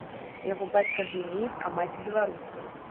Яго бацька гвінеец, а маці беларуска.